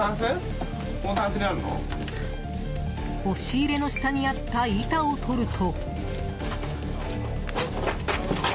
押し入れの下にあった板を取ると。